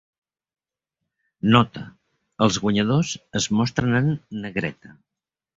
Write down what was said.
"Nota: els guanyadors es mostren en" negreta.